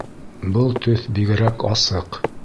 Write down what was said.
Был төҫ бигерәк асыҡ